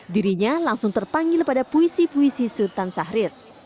dirinya langsung terpanggil pada puisi puisi sultan sahrir